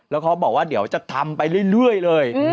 แล้วเขาบอกว่าเดี๋ยวจะทำไปเรื่อยเลย